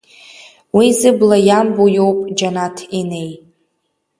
Уи зыбла иамбо иоуп џьанаҭ инеи!